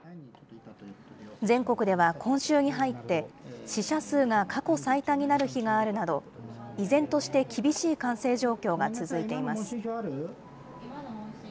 全国では今週に入って、死者数が過去最多になる日があるなど、依然として厳しい感染状況が続いています。